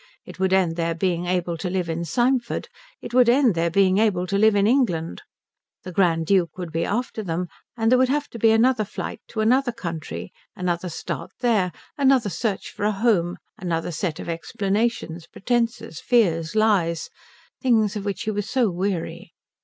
It would end their being able to live in Symford. It would end their being able to live in England. The Grand Duke would be after them, and there would have to be another flight to another country, another start there, another search for a home, another set of explanations, pretences, fears, lies, things of which he was so weary.